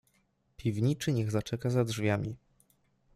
"Piwniczy niech zaczeka za drzwiami."